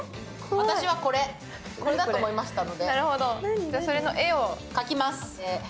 私はこれ、これだと思いましたのでその絵を描きます。